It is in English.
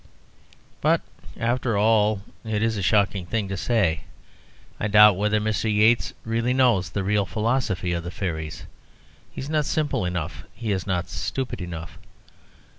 But, after all (it is a shocking thing to say), I doubt whether Mr. Yeats really knows the real philosophy of the fairies. He is not simple enough; he is not stupid enough.